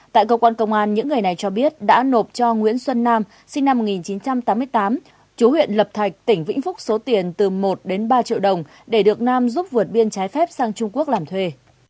tại cơ quan công an những người này cho biết đã nộp cho nguyễn xuân nam sinh năm một nghìn chín trăm tám mươi tám chú huyện lập thạch tỉnh vĩnh phúc số tiền từ một đến ba triệu đồng để được nam giúp vượt biên trái phép sang trung quốc làm thuê